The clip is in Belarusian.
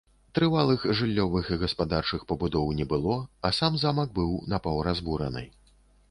Трывалых жыллёвых і гаспадарчых пабудоў не было, а сам замак быў напаўразбураны.